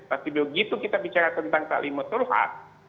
tetapi begitu kita bicara tentang talimat turhat